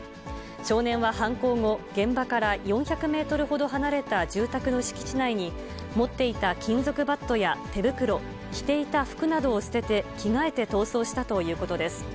少年は犯行後、現場から４００メートルほど離れた住宅の敷地内に、持っていた金属バットや手袋、着ていた服などを捨てて、着替えて逃走したということです。